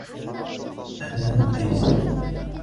أنا أيسر.